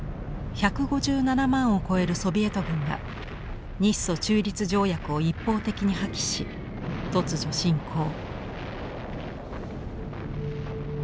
１５７万を超えるソビエト軍が日ソ中立条約を一方的に破棄し突如侵攻。